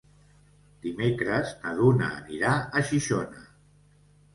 Dimecres na Duna anirà a Xixona.